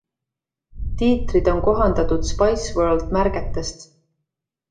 Tiitrid on kohandatud „Spiceworld“ märgetest.